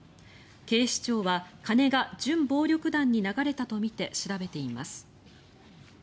警視庁は金が準暴力団に流れたとみて調べています。